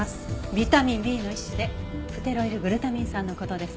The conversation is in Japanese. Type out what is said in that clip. ビタミンＢの一種でプテロイルグルタミン酸の事です。